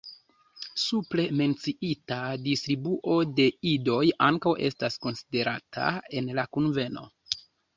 Supre menciita distribuo de idoj ankaŭ estas konsiderata en la kunveno.